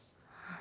あ。